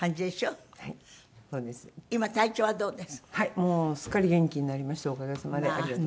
もうすっかり元気になりましておかげさまで。